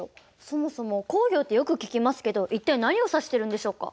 そもそも工業ってよく聞きますけど一体何を指しているんでしょうか。